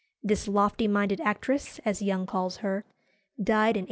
This lofty minded actress, as Young calls her, died in 1831.